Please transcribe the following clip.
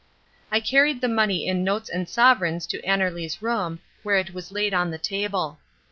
I carried the money in notes and sovereigns to Annerly's room, where it was laid on the table.